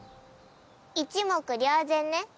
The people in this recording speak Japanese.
一目瞭然ね。